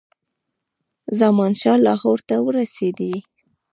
زمانشاه لاهور ته ورسېدی.